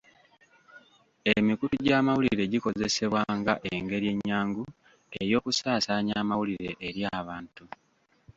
Emikutu gy'amawulire gikozesebwa nga engeri ennyangu ey'okusaasaanya amawulire eri abantu.